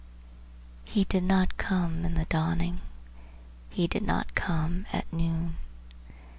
He did not come in the dawning; he did not come at noon.